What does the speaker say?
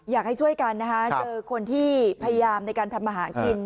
อยากให้ช่วยกันนะคะเจอคนที่พยายามในการทำอาหารกิน